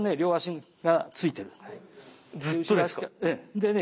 でね